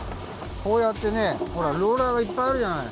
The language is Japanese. こうやってねほらローラーがいっぱいあるじゃない。